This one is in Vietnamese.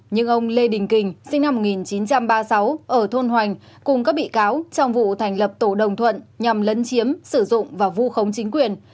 nhưng ông lê đình kình sinh năm một nghìn chín trăm ba mươi sáu ở thôn hoành cùng các bị cáo trong vụ thành lập tổ đồng thuận nhằm lấn chiếm sử dụng và vu khống chính quyền